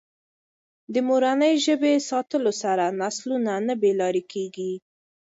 د مورنۍ ژبه ساتلو سره نسلونه نه بې لارې کېږي.